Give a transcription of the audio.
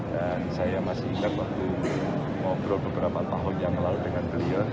dan saya masih ingat waktu ngobrol beberapa tahun yang lalu dengan beliau